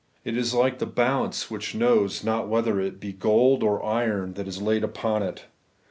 It is like the balance which knows not whether it be gold or iron that is laid upon it.